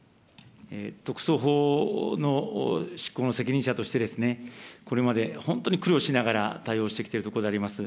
特措法の執行の責任者としてこれまで本当に苦労しながら対応してきているところであります。